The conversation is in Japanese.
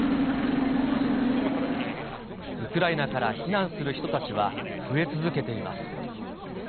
ウクライナから避難する人たちは増え続けています。